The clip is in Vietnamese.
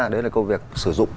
đấy là câu việc sử dụng